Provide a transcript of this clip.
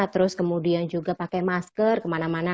terus kemudian juga pakai masker kemana mana